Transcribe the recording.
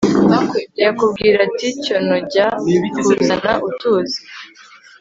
yakubwira ati cyonojya kuzana utuzi